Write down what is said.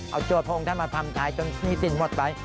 เอาโจทย์พระองค์ท่านมาทำท้ายจนหนี้สินหมดไป